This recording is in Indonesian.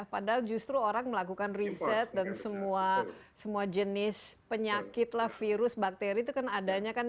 padahal justru orang melakukan riset dan semua jenis penyakit lah virus bakteri itu kan adanya kan